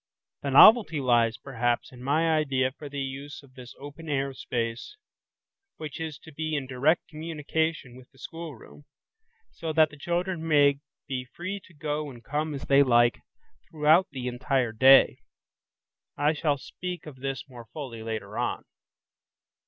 The novelty lies, perhaps, in my idea for the use of this open air space, which is to be in direct communication with the schoolroom, so that the children may be free to go and come as they like, throughout the entire day. I shall speak of this more fully later on.